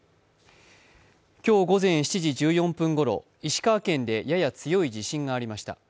今日午前７時１４分ごろ石川県でやや強い地震がありました。